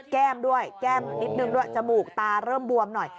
แก้มด้วยแก้มนิดนึงด้วยจมูกตาเริ่มบวมหน่อย